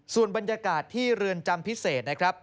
ส่วนบรรยากาศที่เรือนจำพิเศษนะครับ